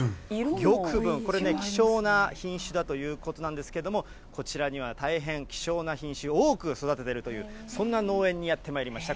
玉文、これね、希少な品種だということなんですけれども、こちらには大変希少な品種、多く育てているという、そんな農園にやってまいりました。